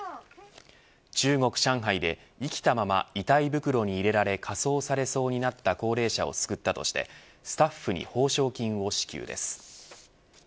中国、上海で生きたまま遺体袋に入れられ火葬されそうになった高齢者を救ったとしてスタッフに報奨金を支給です。